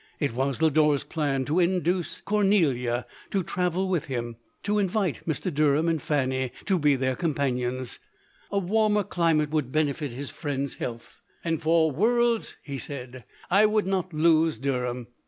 It was Lodore's plan to induce Cor nelia to travel with him, and to invite Mr. Der ham and Fanny to be their companions ; a warmer climate would benefit his friend's health. •2."52 LODORK. " And for worlds,' 1 he said, " I would not lose Derham.